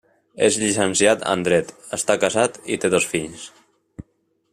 És llicenciat en dret, està casat i té dos fills.